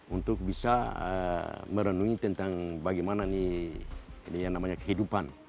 untuk bisa merenungi tentang bagaimana nih ini yang namanya kehidupan